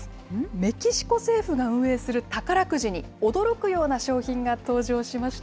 メキシコ政府が運営する宝くじに、驚くような賞品が登場しました。